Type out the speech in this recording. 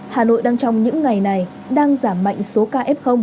hà nội đang trong những ngày này đang giảm mạnh số ca f